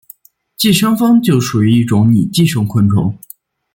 寄生蜂就属于一种拟寄生昆虫。